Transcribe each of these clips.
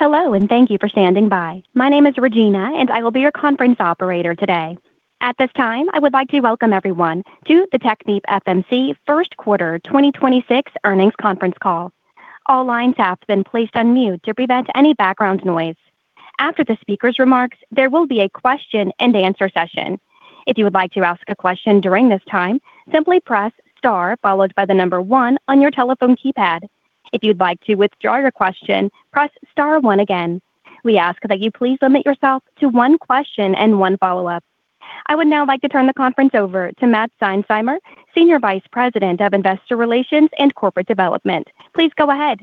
Hello, and thank you for standing by. My name is Regina, and I will be your conference operator today. At this time, I would like to welcome everyone to the TechnipFMC First Quarter 2026 Earnings Conference Call. All lines have been placed on mute to prevent any background noise. After the speaker's remarks, there will be a question-and-answer session. If you would like to ask a question during this time, simply press star followed by one on your telephone keypad. If you'd like to withdraw your question, press star one again. We ask that you please limit yourself to one question and one follow-up. I would now like to turn the conference over to Matt Seinsheimer, Senior Vice President of Investor Relations and Corporate Development. Please go ahead.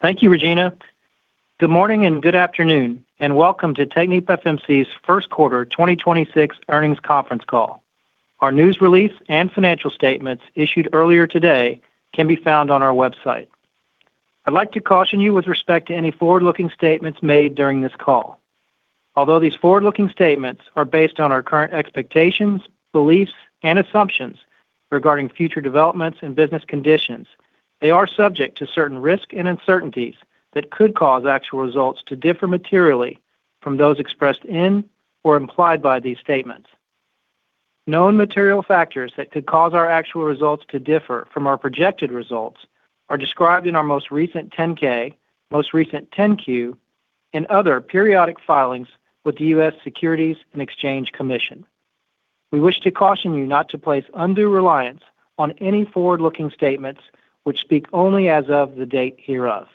Thank you, Regina. Good morning and good afternoon, and welcome to TechnipFMC's 1st quarter 2026 earnings conference call. Our news release and financial statements issued earlier today can be found on our website. I'd like to caution you with respect to any forward-looking statements made during this call. Although these forward-looking statements are based on our current expectations, beliefs, and assumptions regarding future developments and business conditions, they are subject to certain risks and uncertainties that could cause actual results to differ materially from those expressed in or implied by these statements. Known material factors that could cause our actual results to differ from our projected results are described in our most recent Form 10-K, most recent Form 10-Q, and other periodic filings with the U.S. Securities and Exchange Commission. We wish to caution you not to place undue reliance on any forward-looking statements which speak only as of the date hereof.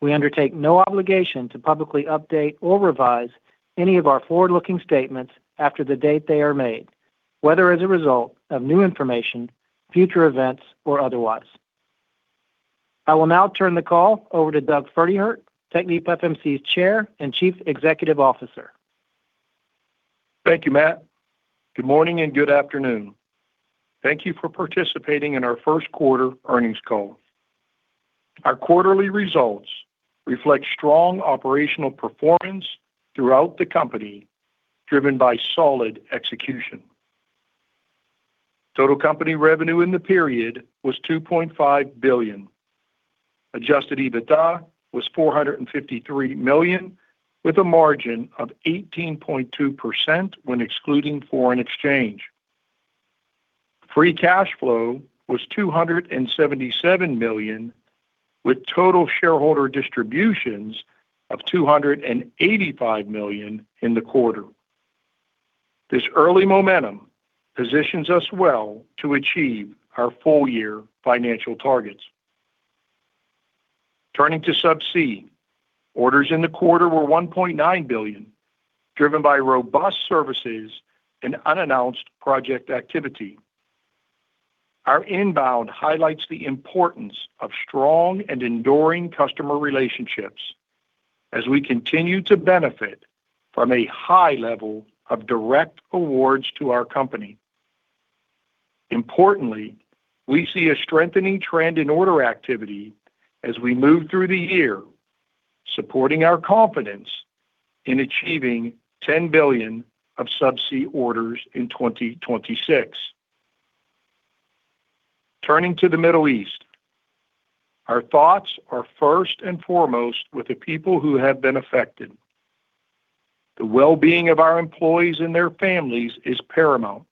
We undertake no obligation to publicly update or revise any of our forward-looking statements after the date they are made, whether as a result of new information, future events, or otherwise. I will now turn the call over to Doug Pferdehirt, TechnipFMC's Chair and Chief Executive Officer. Thank you, Matt. Good morning and good afternoon. Thank you for participating in our first quarter earnings call. Our quarterly results reflect strong operational performance throughout the company, driven by solid execution. Total company revenue in the period was $2.5 billion. Adjusted EBITDA was $453 million, with a margin of 18.2% when excluding foreign exchange. Free cash flow was $277 million, with total shareholder distributions of $285 million in the quarter. This early momentum positions us well to achieve our full-year financial targets. Turning to Subsea, orders in the quarter were $1.9 billion, driven by robust services and unannounced project activity. Our inbound highlights the importance of strong and enduring customer relationships as we continue to benefit from a high level of direct awards to our company. Importantly, we see a strengthening trend in order activity as we move through the year, supporting our confidence in achieving $10 billion of Subsea orders in 2026. Turning to the Middle East, our thoughts are first and foremost with the people who have been affected. The well-being of our employees and their families is paramount.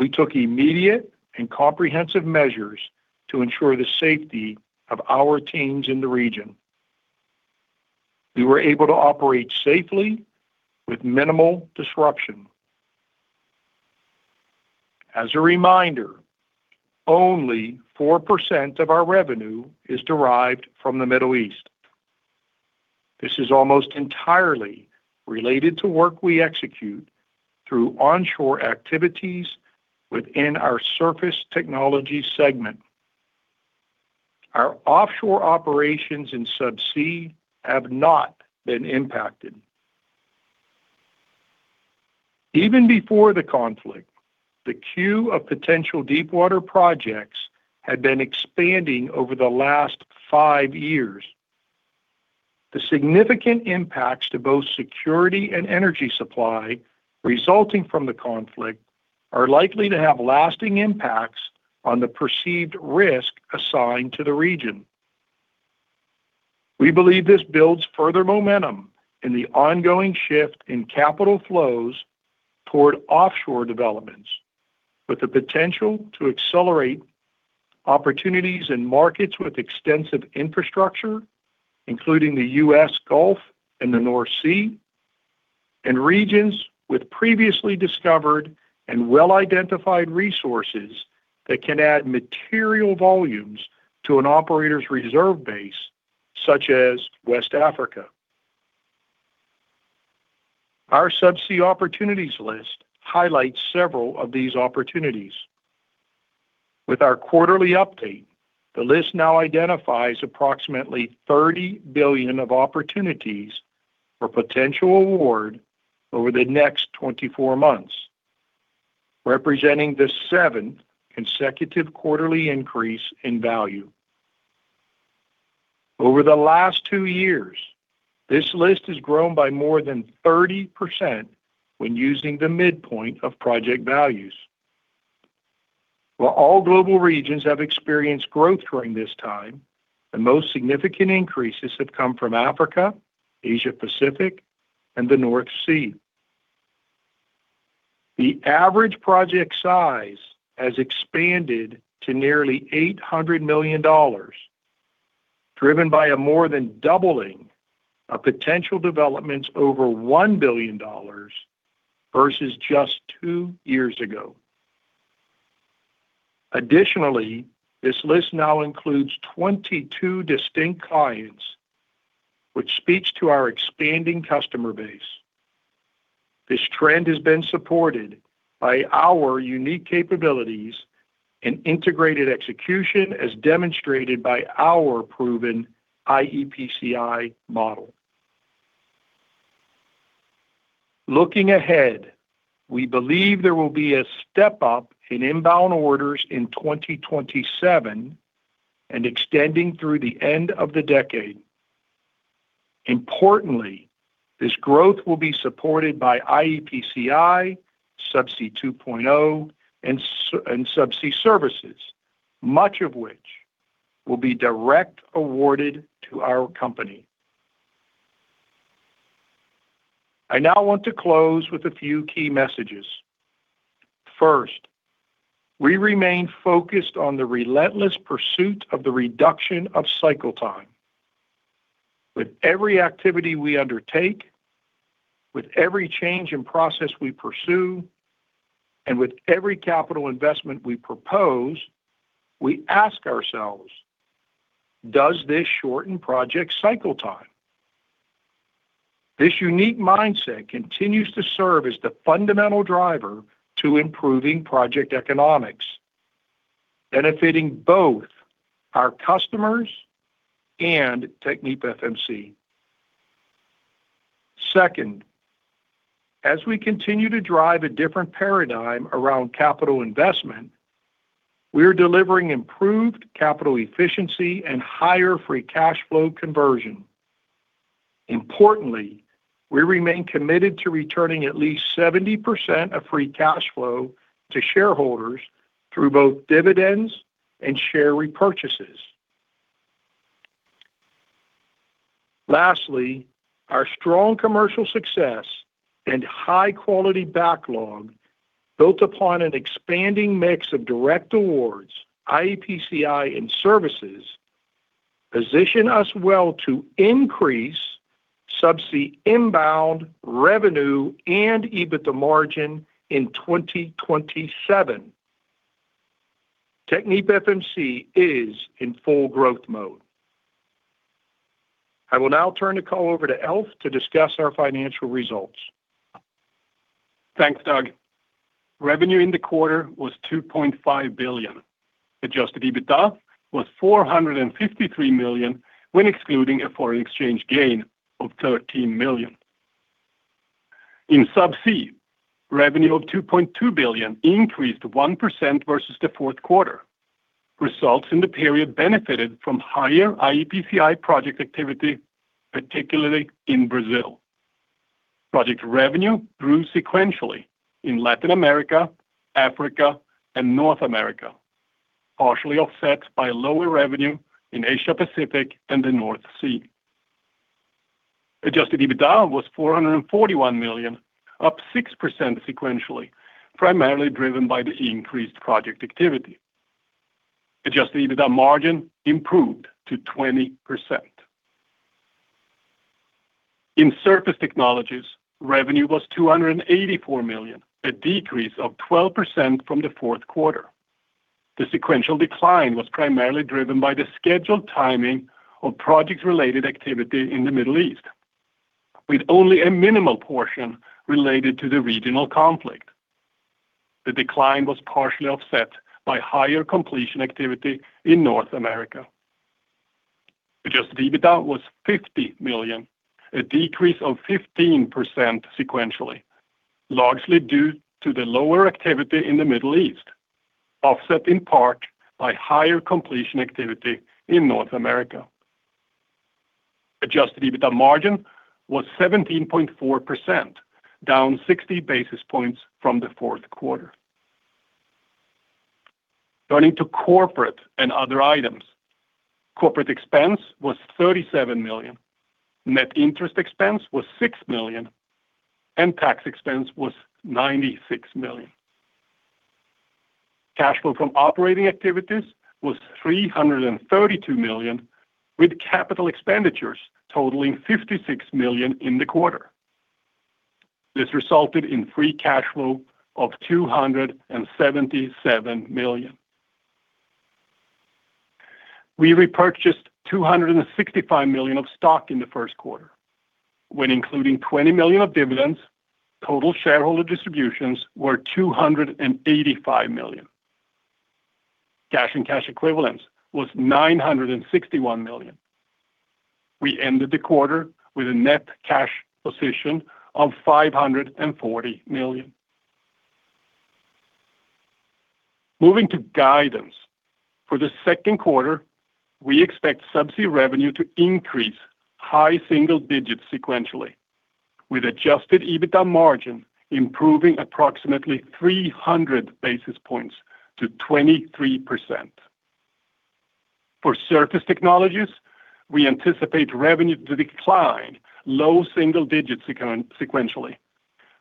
We took immediate and comprehensive measures to ensure the safety of our teams in the region. We were able to operate safely with minimal disruption. As a reminder, only 4% of our revenue is derived from the Middle East. This is almost entirely related to work we execute through onshore activities within our Surface Technologies segment. Our offshore operations in Subsea have not been impacted. Even before the conflict, the queue of potential deepwater projects had been expanding over the last five years. The significant impacts to both security and energy supply resulting from the conflict are likely to have lasting impacts on the perceived risk assigned to the region. We believe this builds further momentum in the ongoing shift in capital flows toward offshore developments, with the potential to accelerate opportunities in markets with extensive infrastructure, including the U.S. Gulf and the North Sea, and regions with previously discovered and well-identified resources that can add material volumes to an operator's reserve base, such as West Africa. Our Subsea opportunities list highlights several of these opportunities. With our quarterly update, the list now identifies approximately $30 billion of opportunities for potential award over the next 24 months, representing the 7th consecutive quarterly increase in value. Over the last two years, this list has grown by more than 30% when using the midpoint of project values. While all global regions have experienced growth during this time, the most significant increases have come from Africa, Asia Pacific, and the North Sea. The average project size has expanded to nearly $800 million, driven by a more than doubling of potential developments over $1 billion versus just two years ago. This list now includes 22 distinct clients, which speaks to our expanding customer base. This trend has been supported by our unique capabilities and integrated execution as demonstrated by our proven iEPCI model. Looking ahead, we believe there will be a step up in inbound orders in 2027 and extending through the end of the decade. This growth will be supported by iEPCI, Subsea 2.0, and Subsea services, much of which will be direct awarded to our company. I now want to close with a few key messages. First, we remain focused on the relentless pursuit of the reduction of cycle time. With every activity we undertake, with every change in process we pursue, and with every capital investment we propose, we ask ourselves, does this shorten project cycle time? This unique mindset continues to serve as the fundamental driver to improving project economics, benefiting both our customers and TechnipFMC. Second, as we continue to drive a different paradigm around capital investment, we are delivering improved capital efficiency and higher free cash flow conversion. Importantly, we remain committed to returning at least 70% of free cash flow to shareholders through both dividends and share repurchases. Lastly, our strong commercial success and high quality backlog built upon an expanding mix of direct awards, iEPCI and services position us well to increase Subsea inbound revenue and EBITDA margin in 2027. TechnipFMC is in full growth mode. I will now turn the call over to Alf to discuss our financial results. Thanks, Doug. Revenue in the quarter was $2.5 billion. Adjusted EBITDA was $453 million when excluding a foreign exchange gain of $13 million. In Subsea, revenue of $2.2 billion increased 1% versus the fourth quarter. Results in the period benefited from higher iEPCI project activity, particularly in Brazil. Project revenue grew sequentially in Latin America, Africa, and North America, partially offset by lower revenue in Asia Pacific and the North Sea. Adjusted EBITDA was $441 million, up 6% sequentially, primarily driven by the increased project activity. Adjusted EBITDA margin improved to 20%. In Surface Technologies, revenue was $284 million, a decrease of 12% from the fourth quarter. The sequential decline was primarily driven by the scheduled timing of project related activity in the Middle East, with only a minimal portion related to the regional conflict. The decline was partially offset by higher completion activity in North America. Adjusted EBITDA was $50 million, a decrease of 15% sequentially, largely due to the lower activity in the Middle East, offset in part by higher completion activity in North America. Adjusted EBITDA margin was 17.4%, down 60 basis points from the fourth quarter. Turning to corporate and other items. Corporate expense was $37 million. Net interest expense was $6 million, and tax expense was $96 million. Cash Flow From Operating activities was $332 million, with Capital Expenditures totaling $56 million in the quarter. This resulted in free cash flow of $277 million. We repurchased $265 million of stock in the first quarter. When including $20 million of dividends, total shareholder distributions were $285 million. Cash and cash equivalents was $961 million. We ended the quarter with a net cash position of $540 million. Moving to guidance. For the second quarter, we expect subsea revenue to increase high single digits sequentially, with adjusted EBITDA margin improving approximately 300 basis points to 23%. For Surface Technologies, we anticipate revenue to decline low single digits sequentially,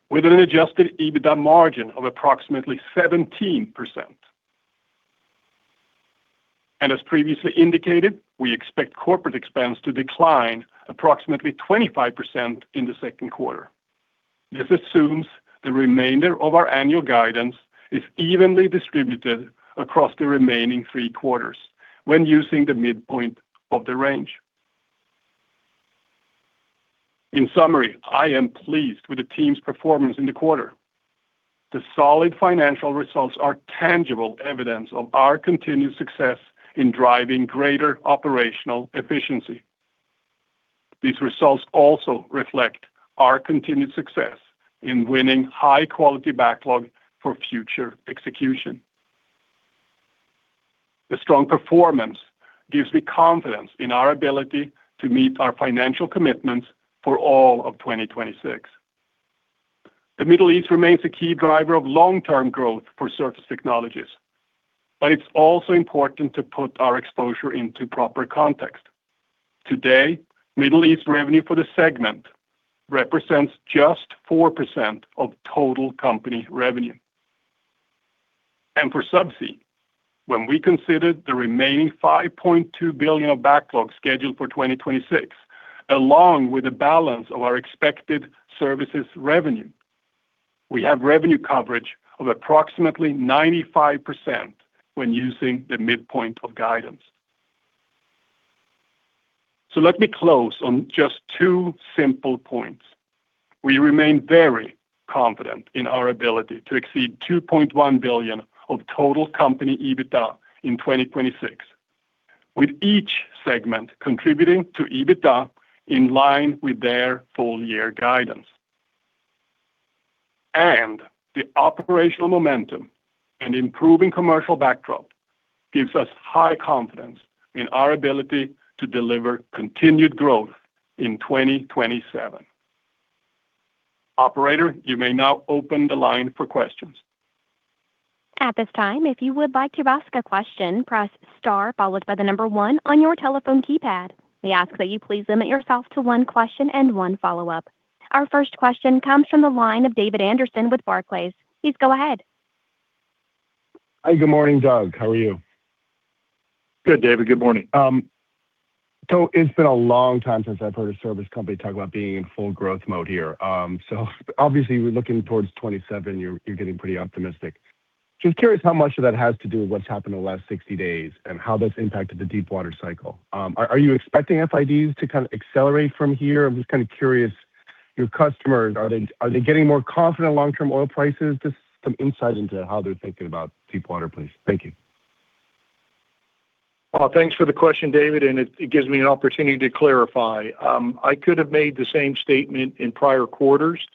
with an adjusted EBITDA margin of approximately 17%. As previously indicated, we expect corporate expense to decline approximately 25% in the second quarter. This assumes the remainder of our annual guidance is evenly distributed across the remaining three quarters when using the midpoint of the range. In summary, I am pleased with the team's performance in the quarter. The solid financial results are tangible evidence of our continued success in driving greater operational efficiency. These results also reflect our continued success in winning high quality backlog for future execution. The strong performance gives me confidence in our ability to meet our financial commitments for all of 2026. The Middle East remains a key driver of long-term growth for Surface Technologies, but it's also important to put our exposure into proper context. Today, Middle East revenue for the segment represents just 4% of total company revenue. For Subsea, when we consider the remaining $5.2 billion of backlog scheduled for 2026, along with the balance of our expected services revenue, we have revenue coverage of approximately 95% when using the midpoint of guidance. Let me close on just two simple points. We remain very confident in our ability to exceed $2.1 billion of total company EBITDA in 2026, with each segment contributing to EBITDA in line with their full year guidance. The operational momentum and improving commercial backdrop gives us high confidence in our ability to deliver continued growth in 2027. Operator, you may now open the line for questions. We ask that you please limit yourself to one question and one follow-up. Our first question comes from the line of David Anderson with Barclays. Please go ahead. Hi, good morning, Doug. How are you? Good, David. Good morning. It's been a long time since I've heard a service company talk about being in full growth mode here. Obviously we're looking towards 2027. You're getting pretty optimistic. Just curious how much of that has to do with what's happened in the last 60 days and how that's impacted the deepwater cycle. Are you expecting FIDs to kind of accelerate from here? I'm just kind of curious, your customers, are they getting more confident in long-term oil prices? Just some insight into how they're thinking about deepwater, please. Thank you. Well, thanks for the question, David, it gives me an opportunity to clarify. I could have made the same statement in prior quarters.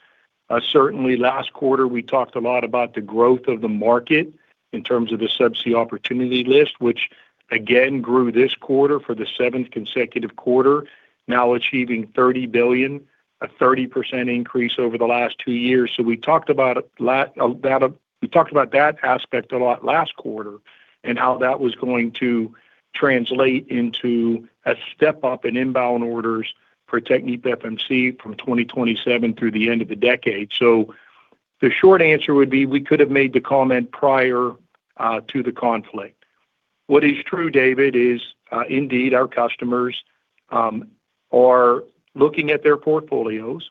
Certainly last quarter we talked a lot about the growth of the market in terms of the subsea opportunity list, which again grew this quarter for the seventh consecutive quarter, now achieving $30 billion, a 30% increase over the last two years. We talked about that aspect a lot last quarter and how that was going to translate into a step up in inbound orders for TechnipFMC from 2027 through the end of the decade. The short answer would be we could have made the comment prior to the conflict. What is true, David, is indeed our customers are looking at their portfolios.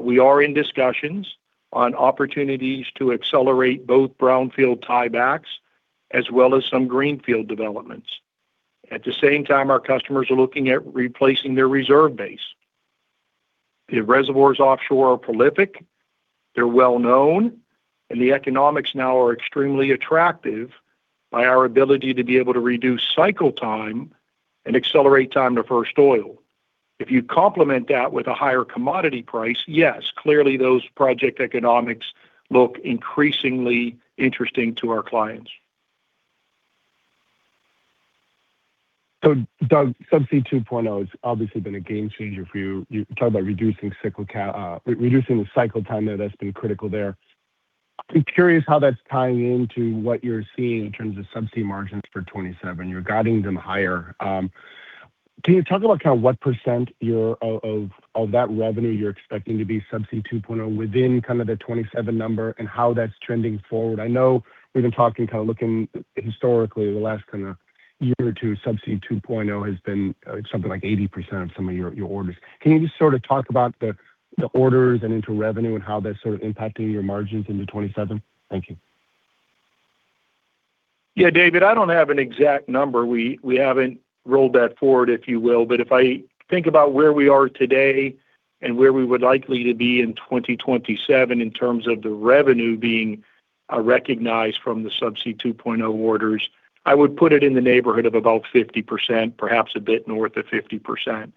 We are in discussions on opportunities to accelerate both brownfield tiebacks as well as some greenfield developments. At the same time, our customers are looking at replacing their reserve base. The reservoirs offshore are prolific, they're well known, and the economics now are extremely attractive by our ability to be able to reduce cycle time and accelerate time to first oil. If you complement that with a higher commodity price, yes, clearly those project economics look increasingly interesting to our clients. Doug, Subsea 2.0 has obviously been a game changer for you. You talked about reducing cycle time, reducing the cycle time there. That's been critical there. I'm curious how that's tying into what you're seeing in terms of subsea margins for 2027. You're guiding them higher. Can you talk about kind of what percent you're of that revenue you're expecting to be Subsea 2.0 within kind of the 2027 number and how that's trending forward? I know we've been talking kind of looking historically the last kind of year or 2, Subsea 2.0 has been something like 80% of some of your orders. Can you just sort of talk about the orders and into revenue and how that's sort of impacting your margins into 2027? Thank you. Yeah, David, I don't have an exact number. We haven't rolled that forward, if you will. If I think about where we are today and where we would likely to be in 2027 in terms of the revenue being recognized from the Subsea 2.0 orders, I would put it in the neighborhood of about 50%, perhaps a bit north of 50%.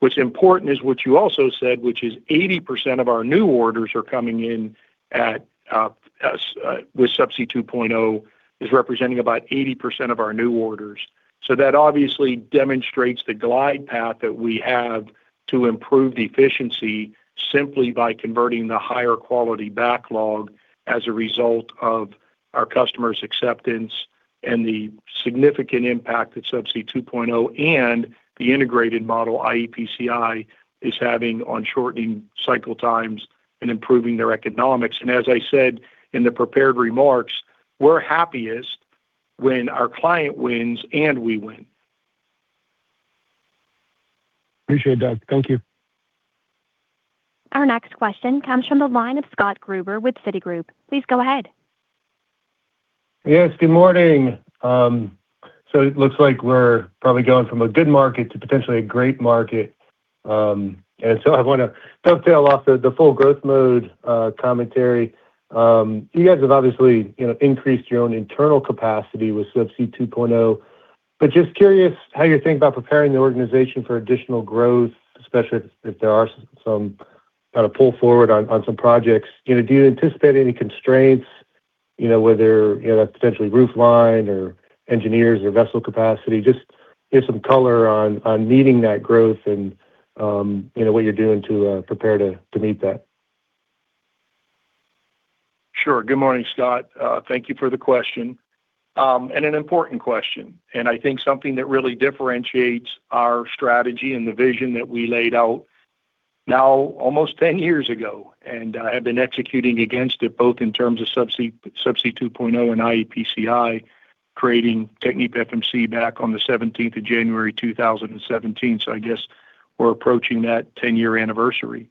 What's important is what you also said, which is 80% of our new orders are coming in at, as with Subsea 2.0 is representing about 80% of our new orders. That obviously demonstrates the glide path that we have to improve the efficiency simply by converting the higher quality backlog as a result of our customers' acceptance and the significant impact that Subsea 2.0 and the integrated model, iEPCI, is having on shortening cycle times and improving their economics. As I said in the prepared remarks, we're happiest when our client wins and we win. Appreciate it, Doug. Thank you. Our next question comes from the line of Scott Gruber with Citigroup. Please go ahead. Yes, good morning. It looks like we're probably going from a good market to potentially a great market. I wanna dovetail off the full growth mode commentary. You guys have obviously, you know, increased your own internal capacity with Subsea 2.0, but just curious how you think about preparing the organization for additional growth, especially if there are some kind of pull forward on some projects. You know, do you anticipate any constraints, you know, whether, you know, that's potentially roof line or engineers or vessel capacity? Just give some color on meeting that growth and, you know, what you're doing to prepare to meet that. Sure. Good morning, Scott. Thank you for the question. An important question, and I think something that really differentiates our strategy and the vision that we laid out now almost 10 years ago, and have been executing against it both in terms of Subsea 2.0 and iEPCI, creating TechnipFMC back on the 17th of January 2017. I guess we're approaching that 10-year anniversary.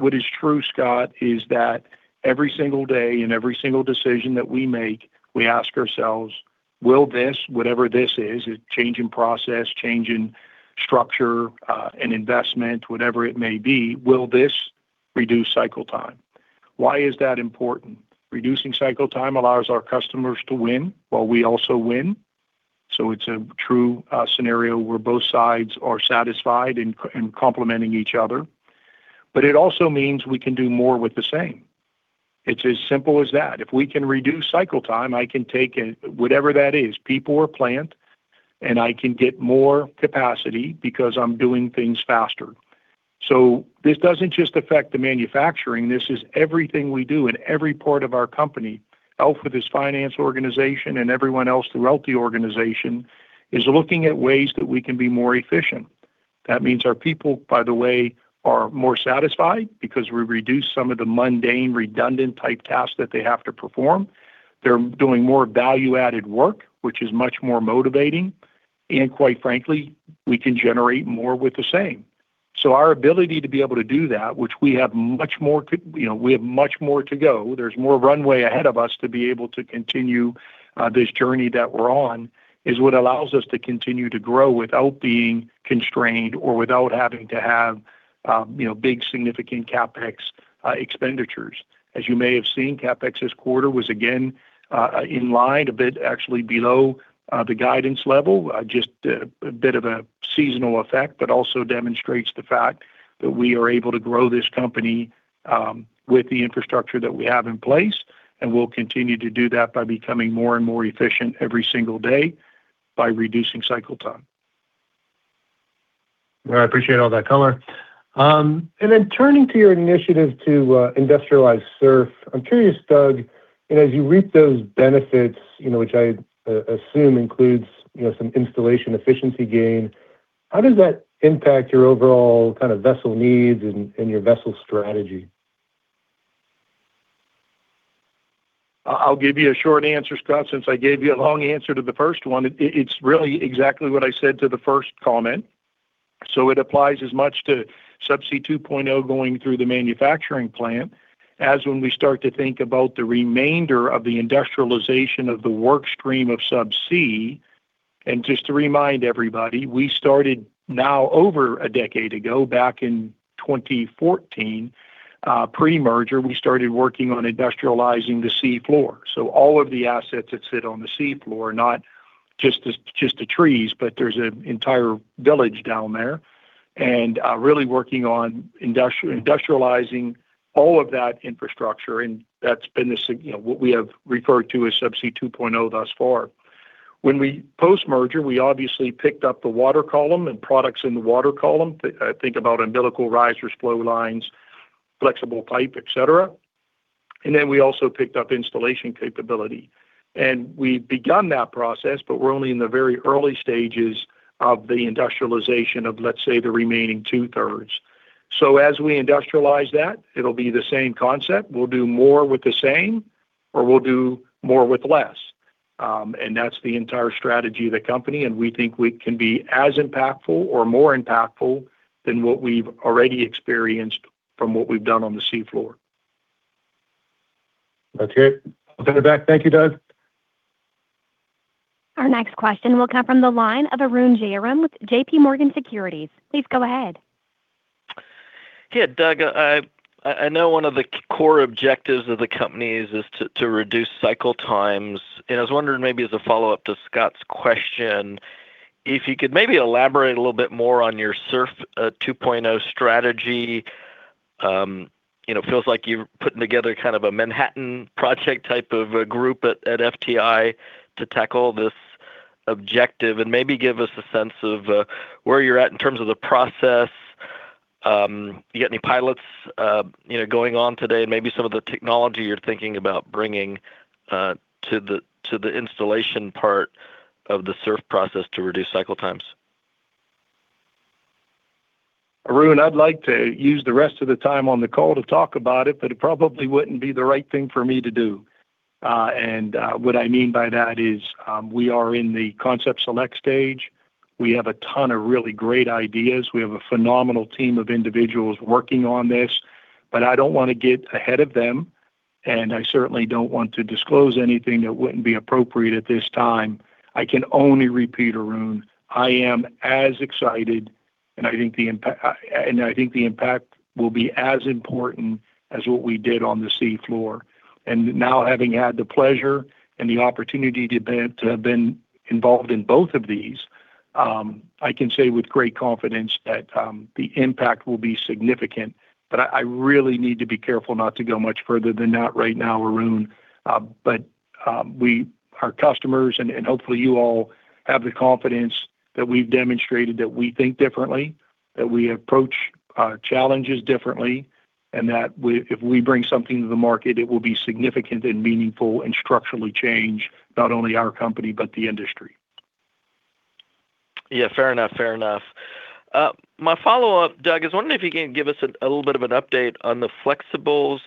What is true, Scott, is that every single day in every single decision that we make, we ask ourselves, "Will this," whatever this is, a change in process, change in structure, an investment, whatever it may be, "Will this reduce cycle time?" Why is that important? Reducing cycle time allows our customers to win while we also win. It's a true scenario where both sides are satisfied in complementing each other. It also means we can do more with the same. It's as simple as that. If we can reduce cycle time, I can take whatever that is, people or plant, and I can get more capacity because I'm doing things faster. This doesn't just affect the manufacturing. This is everything we do in every part of our company. Alf with his finance organization and everyone else throughout the organization is looking at ways that we can be more efficient. That means our people, by the way, are more satisfied because we reduce some of the mundane, redundant type tasks that they have to perform. They're doing more value-added work, which is much more motivating. Quite frankly, we can generate more with the same. Our ability to be able to do that, which we have much more to, you know, we have much more to go. There's more runway ahead of us to be able to continue this journey that we're on, is what allows us to continue to grow without being constrained or without having to have, you know, big, significant CapEx expenditures. As you may have seen, CapEx this quarter was again in line, a bit actually below the guidance level, just a bit of a seasonal effect, but also demonstrates the fact that we are able to grow this company with the infrastructure that we have in place, and we'll continue to do that by becoming more and more efficient every single day by reducing cycle time. Well, I appreciate all that color. Then turning to your initiative to industrialize SURF, I'm curious, Doug, you know, as you reap those benefits, you know, which I assume includes, you know, some installation efficiency gain, how does that impact your overall kind of vessel needs and your vessel strategy? I'll give you a short answer, Scott, since I gave you a long answer to the first one. It's really exactly what I said to the first comment. It applies as much to Subsea 2.0 going through the manufacturing plant as when we start to think about the remainder of the industrialization of the work stream of subsea. Just to remind everybody, we started now over a decade ago, back in 2014. Pre-merger, we started working on industrializing the sea floor. All of the assets that sit on the sea floor, not just the trees, but there's an entire village down there. Really working on industrializing all of that infrastructure, and that's been, you know, what we have referred to as Subsea 2.0 thus far. Post-merger, we obviously picked up the water column and products in the water column. I think about umbilical risers, flow lines, flexible pipe, et cetera. Then we also picked up installation capability. We've begun that process, but we're only in the very early stages of the industrialization of, let's say, the remaining two-thirds. As we industrialize that, it'll be the same concept. We'll do more with the same, or we'll do more with less. That's the entire strategy of the company, and we think we can be as impactful or more impactful than what we've already experienced from what we've done on the sea floor. That's it. I'll send it back. Thank you, Doug. Our next question will come from the line of Arun Jayaram with J.P. Morgan Securities. Please go ahead. Yeah, Doug, I know one of the core objectives of the companies is to reduce cycle times. I was wondering maybe as a follow-up to Scott's question, if you could maybe elaborate a little bit more on your Subsea 2.0 strategy. You know, it feels like you're putting together kind of a Manhattan Project type of a group at FTI to tackle this objective. Maybe give us a sense of where you're at in terms of the process. You got any pilots, you know, going on today? Maybe some of the technology you're thinking about bringing to the installation part of the SURF process to reduce cycle times. Arun, I'd like to use the rest of the time on the call to talk about it, but it probably wouldn't be the right thing for me to do. What I mean by that is, we are in the concept select stage. We have a ton of really great ideas. We have a phenomenal team of individuals working on this, but I don't wanna get ahead of them, and I certainly don't want to disclose anything that wouldn't be appropriate at this time. I can only repeat, Arun. I am as excited, and I think the impact will be as important as what we did on the sea floor. Now having had the pleasure and the opportunity to have been involved in both of these, I can say with great confidence that the impact will be significant. I really need to be careful not to go much further than that right now, Arun. We, our customers and hopefully you all have the confidence that we've demonstrated that we think differently, that we approach our challenges differently, and that if we bring something to the market, it will be significant and meaningful and structurally change not only our company but the industry. Yeah, fair enough. Fair enough. My follow-up, Doug, is wondering if you can give us a little bit of an update on the flexibles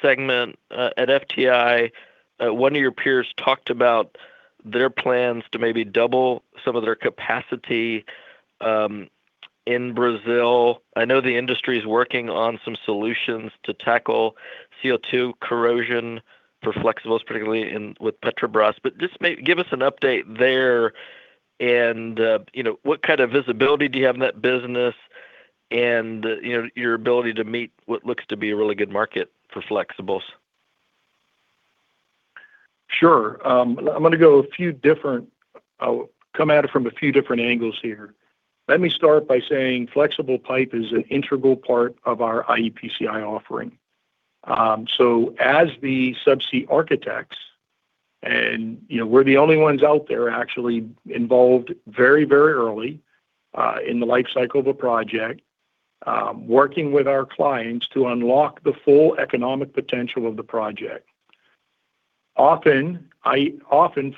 segment at FTI. One of your peers talked about their plans to maybe double some of their capacity in Brazil. I know the industry is working on some solutions to tackle CO2 corrosion for flexibles, particularly with Petrobras. Just may give us an update there and, you know, what kind of visibility do you have in that business and, you know, your ability to meet what looks to be a really good market for flexibles? Sure. I'll come at it from a few different angles here. Let me start by saying flexible pipe is an integral part of our iEPCI offering. As the subsea architects, and, you know, we're the only ones out there actually involved very, very early in the life cycle of a project, working with our clients to unlock the full economic potential of the project. Often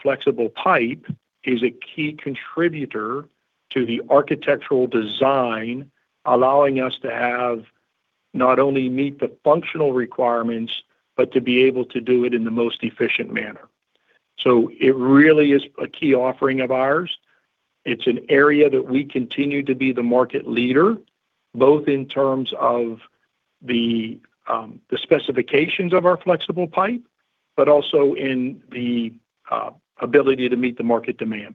flexible pipe is a key contributor to the architectural design, allowing us to have not only meet the functional requirements, but to be able to do it in the most efficient manner. It really is a key offering of ours. It's an area that we continue to be the market leader, both in terms of the specifications of our flexible pipe, but also in the ability to meet the market demand.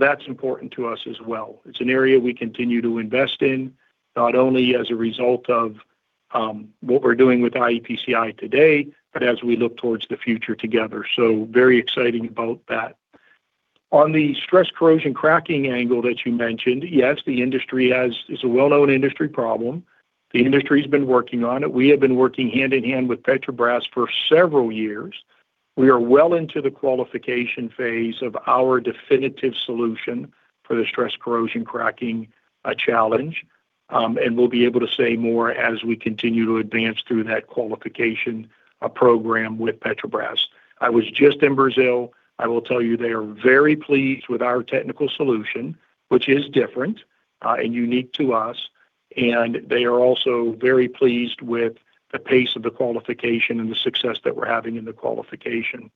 That's important to us as well. It's an area we continue to invest in, not only as a result of what we're doing with iEPCI today, but as we look towards the future together. Very exciting about that. On the stress corrosion cracking angle that you mentioned, yes, the industry, it's a well-known industry problem. The industry's been working on it. We have been working hand in hand with Petrobras for several years. We are well into the qualification phase of our definitive solution for the stress corrosion cracking challenge. We'll be able to say more as we continue to advance through that qualification program with Petrobras. I was just in Brazil. I will tell you they are very pleased with our technical solution, which is different and unique to us. They are also very pleased with the pace of the qualification and the success that we're having in the qualification.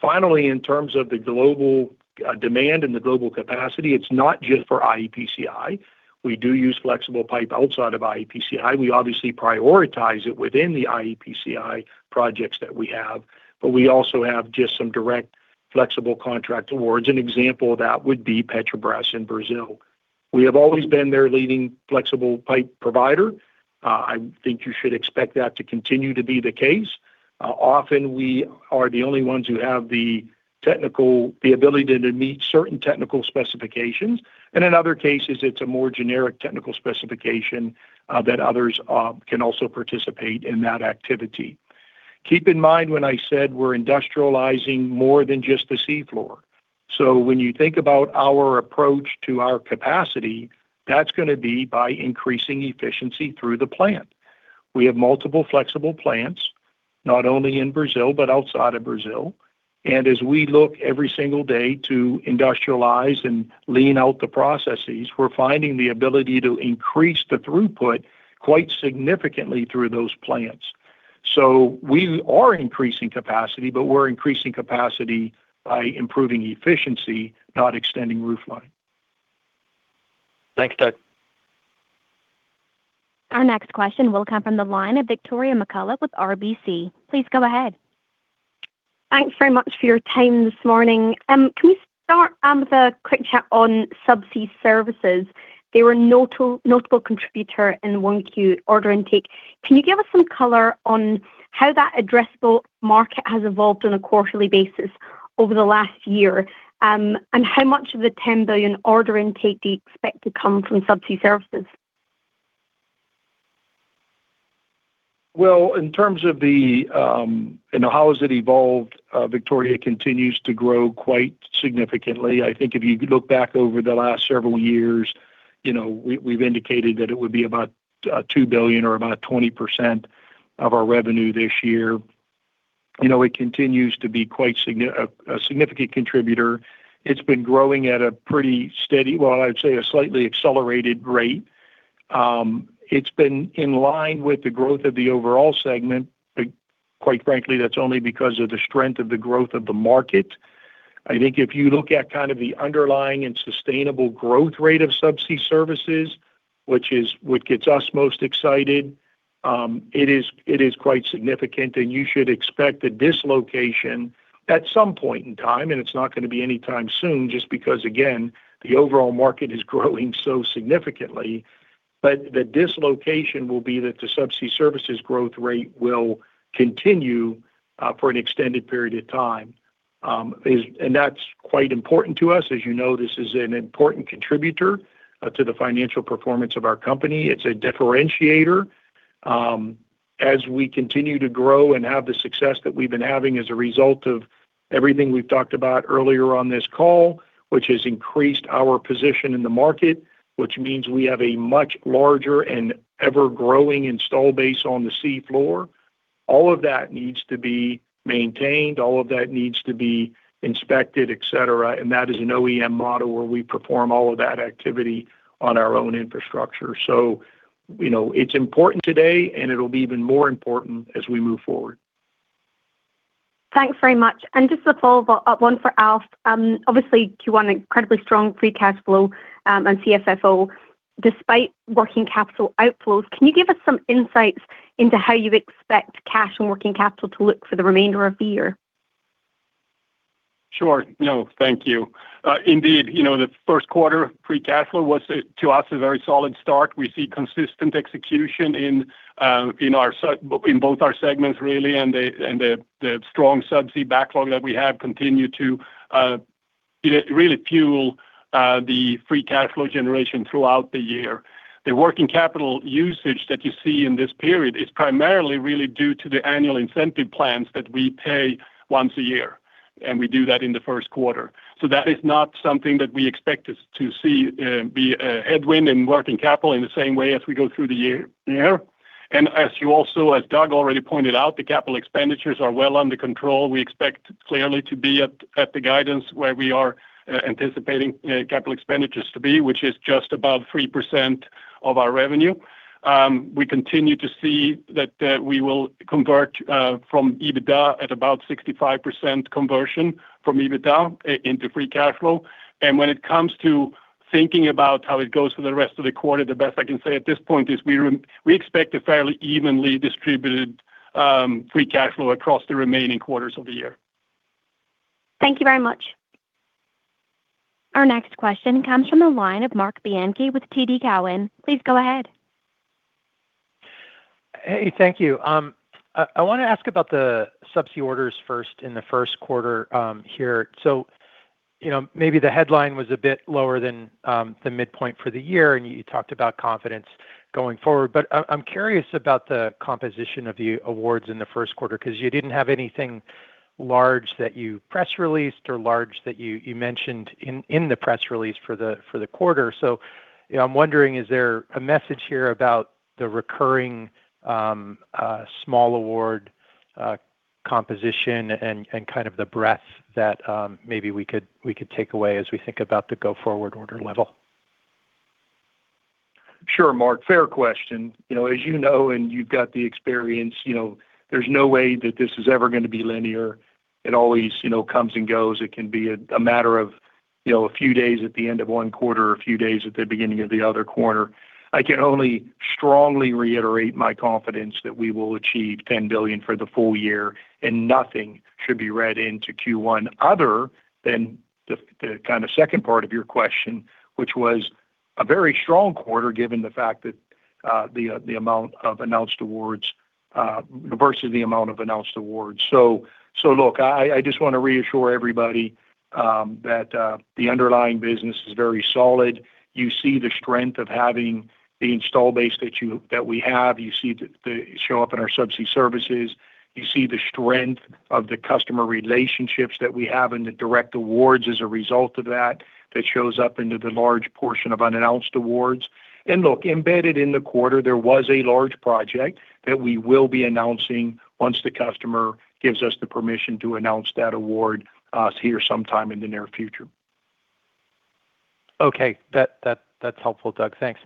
Finally, in terms of the global demand and the global capacity, it's not just for iEPCI. We do use flexible pipe outside of iEPCI. We obviously prioritize it within the iEPCI projects that we have, but we also have just some direct flexible contract awards. An example of that would be Petrobras in Brazil. We have always been their leading flexible pipe provider. I think you should expect that to continue to be the case. Often we are the only ones who have the ability to meet certain technical specifications, and in other cases it's a more generic technical specification that others can also participate in that activity. Keep in mind when I said we're industrializing more than just the sea floor. When you think about our approach to our capacity, that's gonna be by increasing efficiency through the plant. We have multiple flexible plants, not only in Brazil, but outside of Brazil. As we look every single day to industrialize and lean out the processes, we're finding the ability to increase the throughput quite significantly through those plants. We are increasing capacity, but we're increasing capacity by improving efficiency, not extending roof line. Thanks, Doug. Our next question will come from the line of Victoria McCulloch with RBC. Please go ahead. Thanks very much for your time this morning. Can we start with a quick chat on subsea services? They were a notable contributor in the 1Q order intake. Can you give us some color on how that addressable market has evolved on a quarterly basis over the last year? How much of the $10 billion order intake do you expect to come from subsea services? Well, in terms of the, you know, how has it evolved, Victoria continues to grow quite significantly. I think if you look back over the last several years, you know, we've indicated that it would be about $2 billion or about 20% of our revenue this year. You know, it continues to be quite a significant contributor. It's been growing at a pretty steady, well, I'd say a slightly accelerated rate. It's been in line with the growth of the overall segment. Quite frankly, that's only because of the strength of the growth of the market. I think if you look at kind of the underlying and sustainable growth rate of subsea services, which is what gets us most excited, it is quite significant, and you should expect that this dislocation, at some point in time, and it's not gonna be anytime soon, just because, again, the overall market is growing so significantly. The dislocation will be that the subsea services growth rate will continue, for an extended period of time. That's quite important to us. As you know, this is an important contributor, to the financial performance of our company. It's a differentiator. As we continue to grow and have the success that we've been having as a result of everything we've talked about earlier on this call, which has increased our position in the market, which means we have a much larger and ever-growing install base on the sea floor. All of that needs to be maintained, all of that needs to be inspected, et cetera. That is an OEM model where we perform all of that activity on our own infrastructure. You know, it's important today, and it'll be even more important as we move forward. Thanks very much. Just a follow-up one for Alf, obviously Q1 incredibly strong free cash flow, and CFO, despite working capital outflows. Can you give us some insights into how you expect cash and working capital to look for the remainder of the year? Sure. No, thank you. Indeed, you know, the first quarter free cash flow was to us, a very solid start. We see consistent execution in both our segments, really, and the strong subsea backlog that we have continued to, you know, really fuel the free cash flow generation throughout the year. The working capital usage that you see in this period is primarily really due to the annual incentive plans that we pay once a year, and we do that in the first quarter. That is not something that we expect us to see be a headwind in working capital in the same way as we go through the year here. As you also, as Doug already pointed out, the capital expenditures are well under control. We expect clearly to be at the guidance where we are anticipating CapEx to be, which is just above 3% of our revenue. We continue to see that we will convert from EBITDA at about 65% conversion from EBITDA into free cash flow. When it comes to thinking about how it goes for the rest of the quarter, the best I can say at this point is we expect a fairly evenly distributed free cash flow across the remaining quarters of the year. Thank you very much. Our next question comes from the line of Marc Bianchi with TD Cowen. Please go ahead. Hey, thank you. I want to ask about the Subsea orders first in the first quarter here. You know, maybe the headline was a bit lower than the midpoint for the year, and you talked about confidence going forward. I'm curious about the composition of the awards in the first quarter, because you did not have anything large that you press released or large that you mentioned in the press release for the quarter. You know, I'm wondering, is there a message here about the recurring small award composition and kind of the breadth that maybe we could take away as we think about the go-forward order level? Sure, Marc. Fair question. You know, as you know, you've got the experience, you know, there's no way that this is ever going to be linear. It always, you know, comes and goes. It can be a matter of, you know, a few days at the end of one quarter, a few days at the beginning of the other quarter. I can only strongly reiterate my confidence that we will achieve $10 billion for the full year, nothing should be read into Q1 other than the kind of second part of your question, which was a very strong quarter, given the fact that the amount of announced awards versus the amount of announced awards. Look, I just want to reassure everybody that the underlying business is very solid. You see the strength of having the install base that we have. You see the show up in our subsea services. You see the strength of the customer relationships that we have and the direct awards as a result of that shows up into the large portion of unannounced awards. Look, embedded in the quarter, there was a large project that we will be announcing once the customer gives us the permission to announce that award here sometime in the near future. Okay. That's helpful, Doug. Thanks.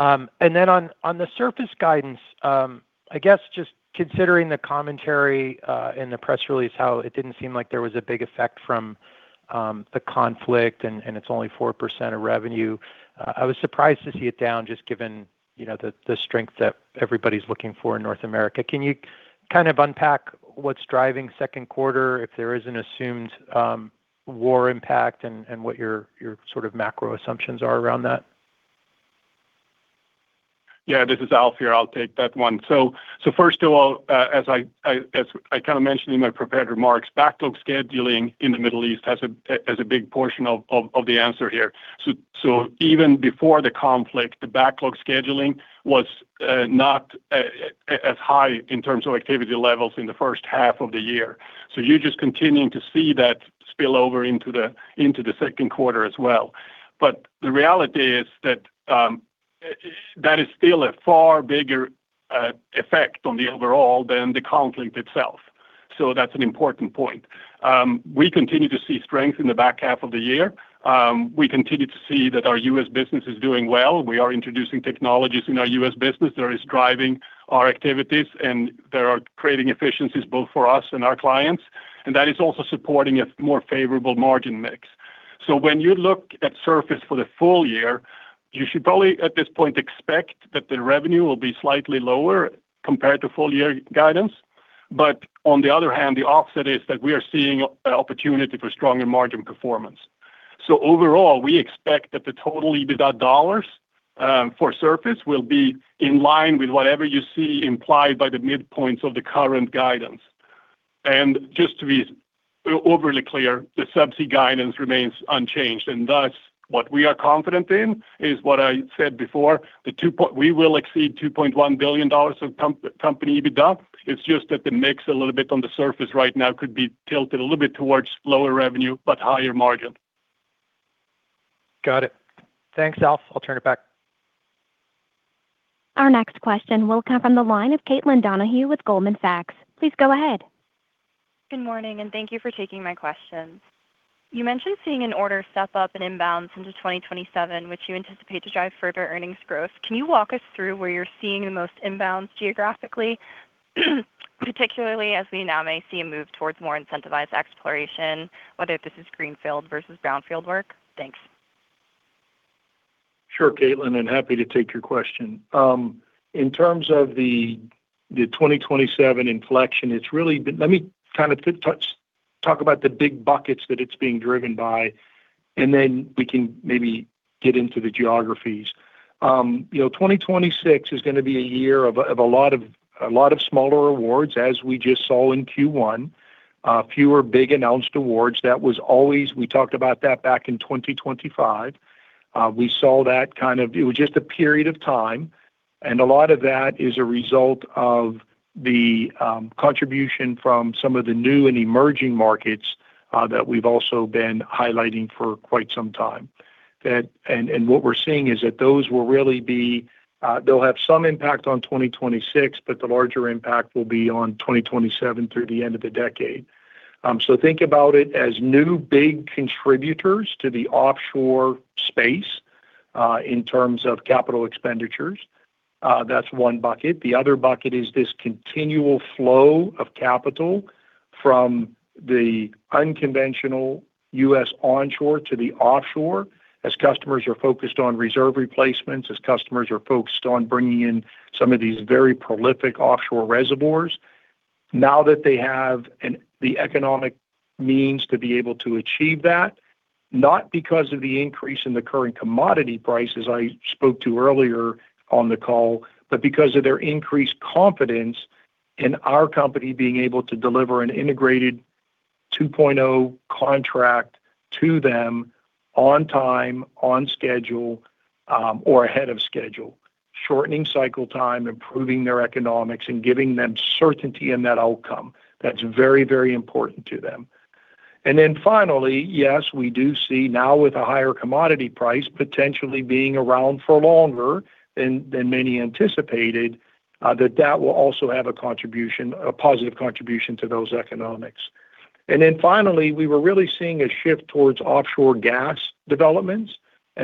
On the surface guidance, I guess just considering the commentary in the press release, how it didn't seem like there was a big effect from the conflict and it's only 4% of revenue. I was surprised to see it down just given, you know, the strength that everybody's looking for in North America. Can you kind of unpack what's driving second quarter if there is an assumed war impact and what your sort of macro assumptions are around that? Yeah, this is Alf here. I'll take that one. First of all, as I kind of mentioned in my prepared remarks, backlog scheduling in the Middle East has a big portion of the answer here. Even before the conflict, the backlog scheduling was not as high in terms of activity levels in the first half of the year. You're just continuing to see that spill over into the second quarter as well. The reality is that that is still a far bigger effect on the overall than the conflict itself. That's an important point. We continue to see strength in the back half of the year. We continue to see that our U.S. business is doing well. We are introducing technologies in our U.S. business that is driving our activities, they are creating efficiencies both for us and our clients. That is also supporting a more favorable margin mix. When you look at Surface for the full year, you should probably at this point expect that the revenue will be slightly lower compared to full year guidance. On the other hand, the offset is that we are seeing opportunity for stronger margin performance. Overall, we expect that the total EBITDA dollars for Surface will be in line with whatever you see implied by the midpoints of the current guidance. Just to be overly clear, the Subsea guidance remains unchanged. Thus, what we are confident in is what I said before. We will exceed $2.1 billion of company EBITDA. It's just that the mix a little bit on the Surface right now could be tilted a little bit towards lower revenue but higher margin. Got it. Thanks, Alf. I'll turn it back. Our next question will come from the line of Caitlin Donahue with Goldman Sachs. Please go ahead. Good morning, and thank you for taking my questions. You mentioned seeing an order step up in inbounds into 2027, which you anticipate to drive further earnings growth. Can you walk us through where you're seeing the most inbounds geographically, particularly as we now may see a move towards more incentivized exploration, whether this is greenfield versus brownfield work? Thanks. Sure, Caitlin, happy to take your question. In terms of the 2027 inflection, it's really been, let me talk about the big buckets that it's being driven by, and then we can maybe get into the geographies. You know, 2026 is gonna be a year of a lot of smaller awards, as we just saw in Q1. Fewer big announced awards. That was always, we talked about that back in 2025. We saw that kind of, it was just a period of time. A lot of that is a result of the contribution from some of the new and emerging markets that we've also been highlighting for quite some time. What we're seeing is that those will really be, they'll have some impact on 2026, but the larger impact will be on 2027 through the end of the decade. Think about it as new big contributors to the offshore space, in terms of CapEx. That's one bucket. The other bucket is this continual flow of capital from the unconventional U.S. onshore to the offshore as customers are focused on reserve replacements, as customers are focused on bringing in some of these very prolific offshore reservoirs. Now that they have the economic means to be able to achieve that, not because of the increase in the current commodity prices I spoke to earlier on the call, but because of their increased confidence in our company being able to deliver an integrated 2.0 contract to them on time, on schedule, or ahead of schedule, shortening cycle time, improving their economics, and giving them certainty in that outcome. That's very, very important to them. Finally, yes, we do see now with a higher commodity price potentially being around for longer than many anticipated, that will also have a contribution, a positive contribution to those economics. Finally, we were really seeing a shift towards offshore gas developments.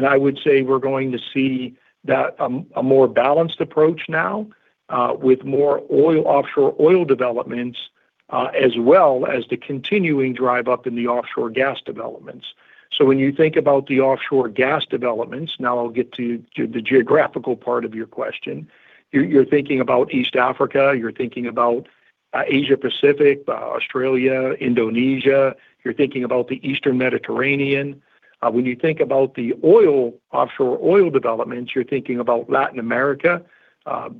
I would say we're going to see that a more balanced approach now with more oil, offshore oil developments, as well as the continuing drive up in the offshore gas developments. When you think about the offshore gas developments, now I'll get to the geographical part of your question. You're thinking about East Africa. You're thinking about Asia Pacific, Australia, Indonesia. You're thinking about the Eastern Mediterranean. When you think about the oil, offshore oil developments, you're thinking about Latin America,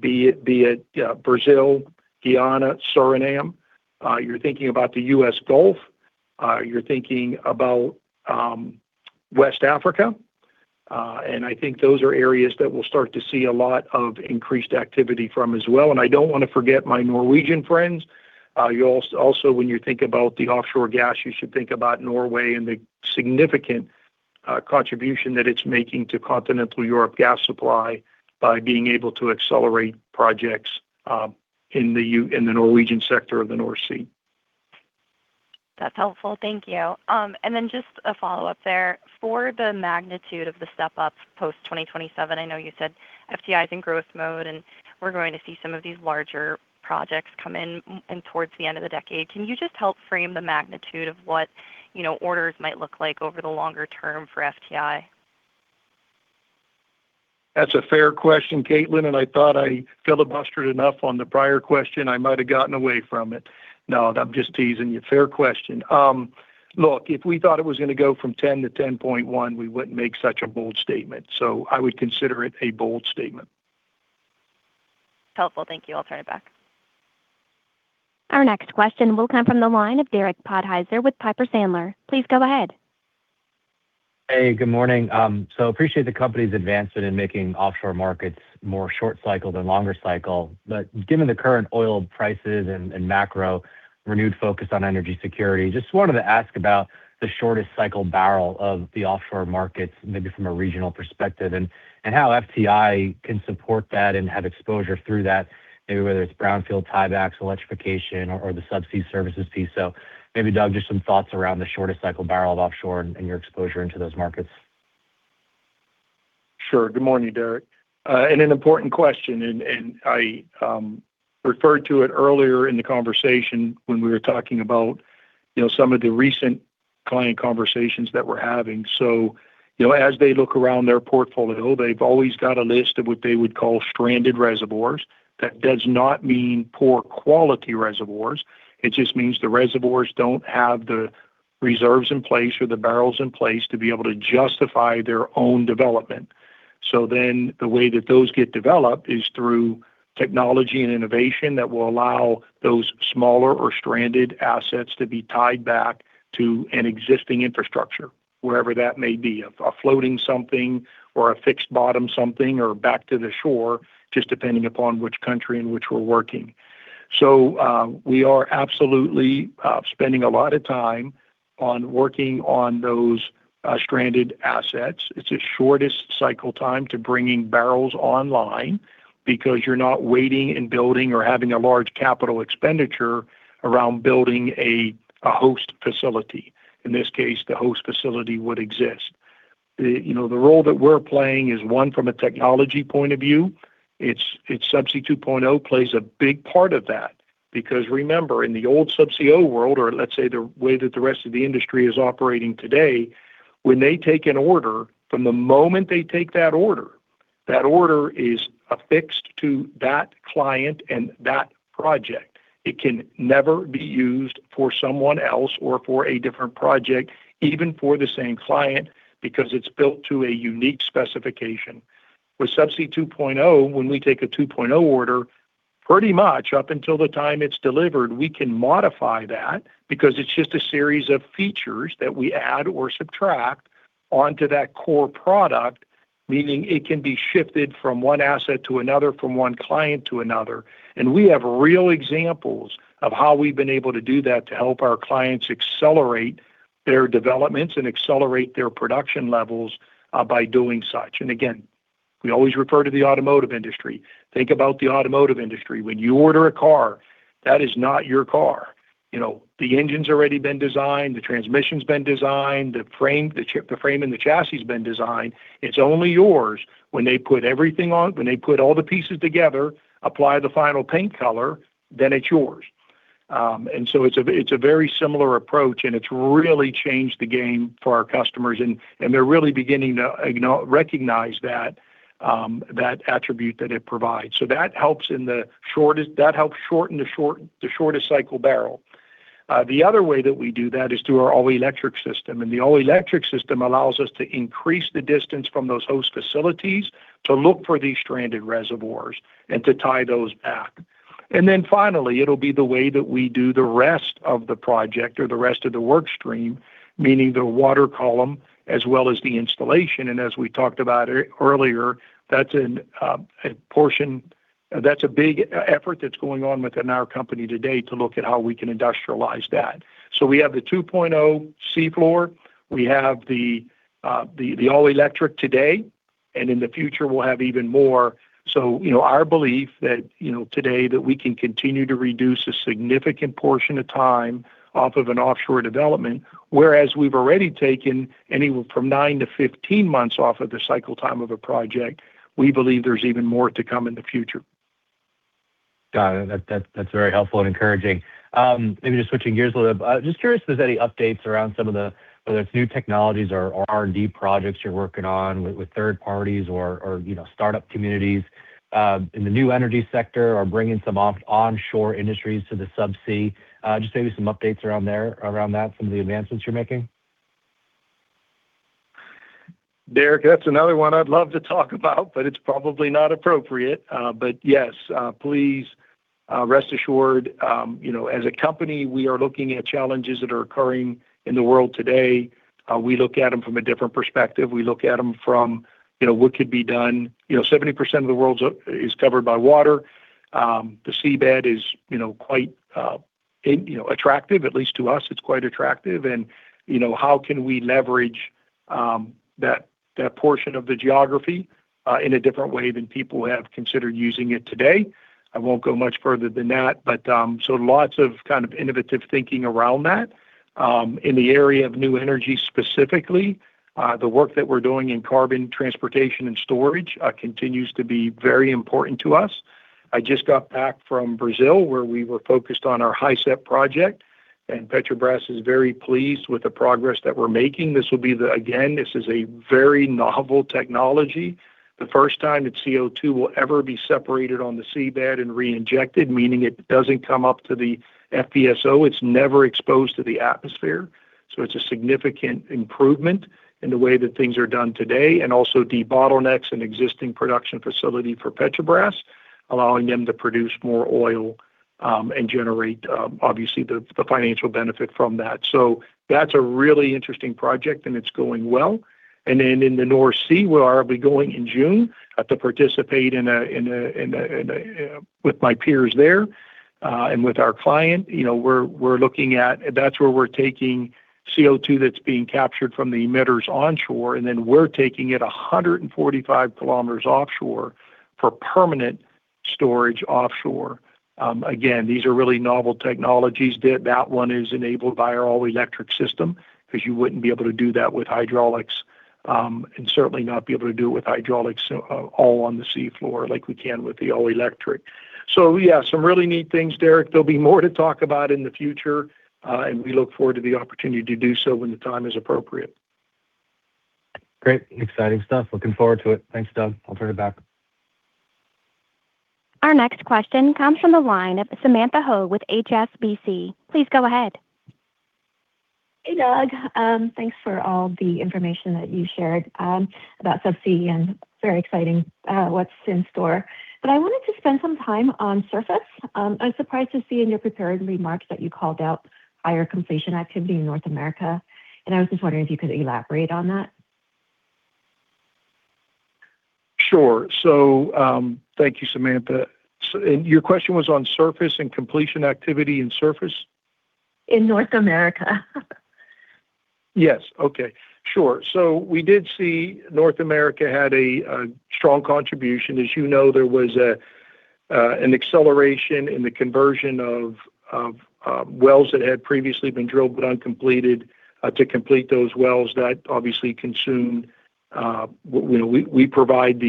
be it, Brazil, Guyana, Suriname. You're thinking about the U.S. Gulf. You're thinking about West Africa. I think those are areas that we'll start to see a lot of increased activity from as well. I don't wanna forget my Norwegian friends. You also, when you think about the offshore gas, you should think about Norway and the significant contribution that it's making to continental Europe gas supply by being able to accelerate projects in the Norwegian sector of the North Sea. That's helpful. Thank you. Then just a follow-up there. For the magnitude of the step-up post 2027, I know you said FTI is in growth mode, and we're going to see some of these larger projects come in towards the end of the decade. Can you just help frame the magnitude of what, you know, orders might look like over the longer term for FTI? That's a fair question, Caitlin, and I thought I filibustered enough on the prior question, I might have gotten away from it. No, I'm just teasing you. Fair question. Look, if we thought it was gonna go from 10 to 10.1, we wouldn't make such a bold statement. I would consider it a bold statement. Helpful. Thank you. I'll turn it back. Our next question will come from the line of Derek Podhaizer with Piper Sandler. Please go ahead. Hey, good morning. Appreciate the company's advancement in making offshore markets more short cycle than longer cycle. Given the current oil prices and macro renewed focus on energy security, just wanted to ask about the shortest cycle barrel of the offshore markets, maybe from a regional perspective, and how FTI can support that and have exposure through that, maybe whether it's brownfield tiebacks, electrification or the subsea services piece. Maybe, Doug, just some thoughts around the shortest cycle barrel of offshore and your exposure into those markets. Sure. Good morning, Derek. An important question, and I referred to it earlier in the conversation when we were talking about, you know, some of the recent client conversations that we're having. You know, as they look around their portfolio, they've always got a list of what they would call stranded reservoirs. That does not mean poor quality reservoirs. It just means the reservoirs don't have the reserves in place or the barrels in place to be able to justify their own development. The way that those get developed is through technology and innovation that will allow those smaller or stranded assets to be tied back to an existing infrastructure, wherever that may be. A floating something or a fixed bottom something or back to the shore, just depending upon which country in which we're working. We are absolutely spending a lot of time on working on those stranded assets. It's the shortest cycle time to bringing barrels online because you're not waiting and building or having a large capital expenditure around building a host facility. In this case, the host facility would exist. The, you know, the role that we're playing is one from a technology point of view. Subsea 2.0 plays a big part of that because remember, in the old Subsea 1.0 world, or let's say the way that the rest of the industry is operating today, when they take an order, from the moment they take that order, that order is affixed to that client and that project. It can never be used for someone else or for a different project, even for the same client, because it's built to a unique specification. With Subsea 2.0, when we take a 2.0 order, pretty much up until the time it's delivered, we can modify that because it's just a series of features that we add or subtract onto that core product, meaning it can be shifted from one asset to another, from one client to another. We have real examples of how we've been able to do that to help our clients accelerate their developments and accelerate their production levels by doing such. Again, we always refer to the automotive industry. Think about the automotive industry. When you order a car, that is not your car. You know, the engine's already been designed, the transmission's been designed, the frame, the frame and the chassis has been designed. It's only yours when they put everything when they put all the pieces together, apply the final paint color, then it's yours. It's a, it's a very similar approach, and it's really changed the game for our customers. They're really beginning to recognize that attribute that it provides. That helps shorten the shortest cycle barrel. The other way that we do that is through our all-electric system. The all-electric system allows us to increase the distance from those host facilities to look for these stranded reservoirs and to tie those back. Finally, it'll be the way that we do the rest of the project or the rest of the work stream, meaning the water column as well as the installation. As we talked about earlier, that's a big effort that's going on within our company today to look at how we can industrialize that. We have the Subsea 2.0, we have the all-electric today, and in the future we'll have even more. You know, our belief that, you know, today that we can continue to reduce a significant portion of time off of an offshore development, whereas we've already taken anywhere from nine months-15 months off of the cycle time of a project. We believe there's even more to come in the future. Got it. That's very helpful and encouraging. Maybe just switching gears a little bit. Just curious if there's any updates around some of the, whether it's new technologies or R&D projects you're working on with third parties or, you know, startup communities in the new energy sector or bringing some onshore industries to the subsea. Just maybe some updates around that, some of the advancements you're making. Derek, that's another one I'd love to talk about, but it's probably not appropriate. Yes, please, rest assured, you know, as a company, we are looking at challenges that are occurring in the world today. We look at them from a different perspective. We look at them from, you know, what could be done. You know, 70% of the world's, is covered by water. The seabed is, you know, quite, it, you know, attractive, at least to us, it's quite attractive. You know, how can we leverage, that portion of the geography, in a different way than people have considered using it today? I won't go much further than that, but, lots of kind of innovative thinking around that. In the area of new energy specifically, the work that we're doing in carbon transportation and storage continues to be very important to us. I just got back from Brazil, where we were focused on our HISEP project. Petrobras is very pleased with the progress that we're making. This will be again, this is a very novel technology. The first time that CO2 will ever be separated on the seabed and reinjected, meaning it doesn't come up to the FPSO. It's never exposed to the atmosphere, it's a significant improvement in the way that things are done today. Also debottlenecks an existing production facility for Petrobras, allowing them to produce more oil, and generate obviously the financial benefit from that. That's a really interesting project, and it's going well. In the North Sea, I'll be going in June to participate in a with my peers there and with our client. You know, that's where we're taking CO2 that's being captured from the emitters onshore, and then we're taking it 145 km offshore for permanent storage offshore. Again, these are really novel technologies. That one is enabled by our all-electric system, 'cause you wouldn't be able to do that with hydraulics, and certainly not be able to do it with hydraulics all on the sea floor like we can with the all-electric. Yeah, some really neat things, Derek. There'll be more to talk about in the future, and we look forward to the opportunity to do so when the time is appropriate. Great. Exciting stuff. Looking forward to it. Thanks, Doug. I'll turn it back. Our next question comes from the line of Samantha Hoh with HSBC. Please go ahead. Hey, Doug. Thanks for all the information that you shared, about Subsea and very exciting, what's in store. I wanted to spend some time on Surface. I was surprised to see in your prepared remarks that you called out higher completion activity in North America, and I was just wondering if you could elaborate on that. Sure. Thank you, Samantha. Your question was on surface and completion activity in surface? In North America. Yes. Okay. Sure. We did see North America had a strong contribution. As you know, there was an acceleration in the conversion of wells that had previously been drilled but uncompleted to complete those wells. That obviously consumed. We provide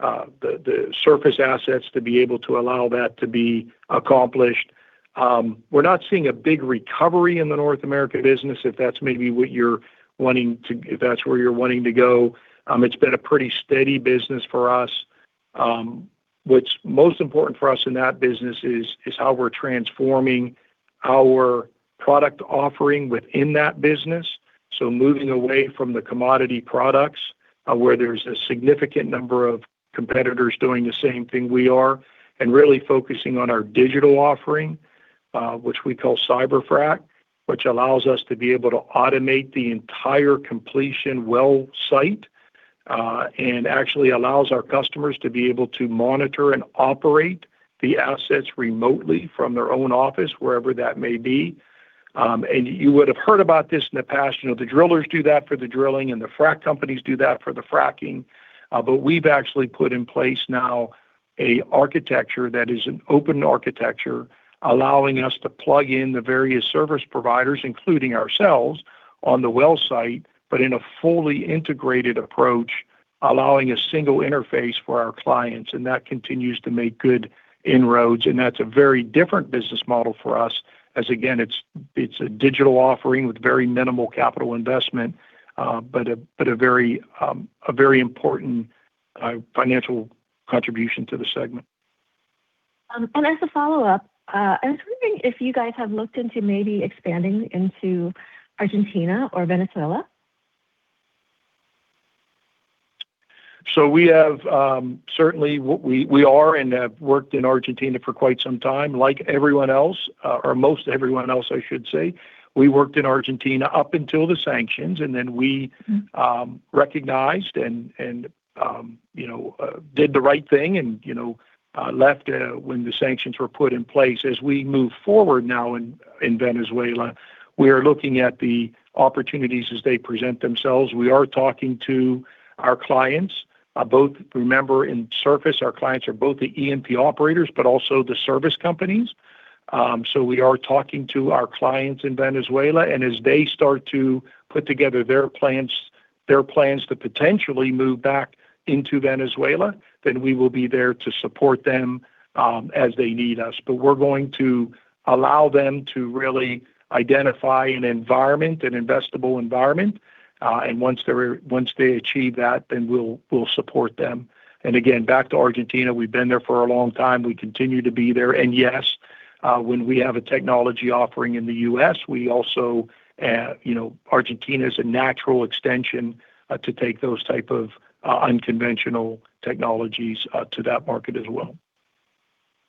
the surface assets to be able to allow that to be accomplished. We're not seeing a big recovery in the North America business, if that's maybe what you're wanting to if that's where you're wanting to go. It's been a pretty steady business for us. What's most important for us in that business is how we're transforming our product offering within that business, so moving away from the commodity products, where there's a significant number of competitors doing the same thing we are, and really focusing on our digital offering, which we call CyberFrac, which allows us to be able to automate the entire completion well site, and actually allows our customers to be able to monitor and operate the assets remotely from their own office, wherever that may be. You would have heard about this in the past. You know, the drillers do that for the drilling, and the frack companies do that for the fracking. We've actually put in place now an architecture that is an open architecture, allowing us to plug in the various service providers, including ourselves, on the well site, but in a fully integrated approach, allowing a single interface for our clients, and that continues to make good inroads. That's a very different business model for us as, again, it's a digital offering with very minimal capital investment, but a very important financial contribution to the segment. As a follow-up, I was wondering if you guys have looked into maybe expanding into Argentina or Venezuela? We have, certainly what we are and have worked in Argentina for quite some time. Like everyone else, or most everyone else, I should say, we worked in Argentina up until the sanctions and then we recognized and, you know, did the right thing and, you know, left when the sanctions were put in place. As we move forward now in Venezuela, we are looking at the opportunities as they present themselves. We are talking to our clients. Remember, in Surface, our clients are both the E&P operators, but also the service companies. We are talking to our clients in Venezuela, and as they start to put together their plans to potentially move back into Venezuela, then we will be there to support them as they need us. We're going to allow them to really identify an environment, an investable environment, and once they achieve that, then we'll support them. Back to Argentina, we've been there for a long time. We continue to be there. Yes, when we have a technology offering in the U.S., we also, you know, Argentina is a natural extension to take those type of unconventional technologies to that market as well.